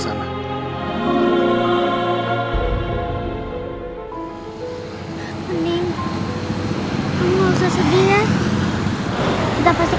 saya mau cari mending